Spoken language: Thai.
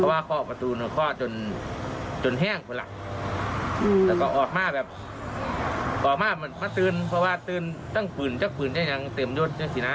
ว่าตื่นตั้งปืนจักรปืนได้อย่างเต็มโยชน์อย่างสินะ